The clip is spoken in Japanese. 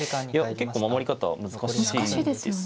結構守り方難しいですね。